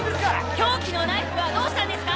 凶器のナイフはどうしたんですか？